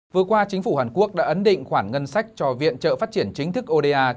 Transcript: vừa qua chính phủ hàn quốc đã ấn định khoản ngân sách cho viện trợ phát triển chính thức oda